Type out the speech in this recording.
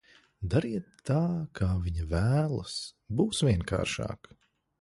Dariet tā, kā viņa vēlas, būs vienkāršāk.